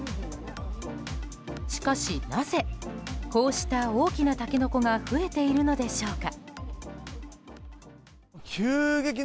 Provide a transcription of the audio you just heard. しかし、なぜこうした大きなタケノコが増えているのでしょうか。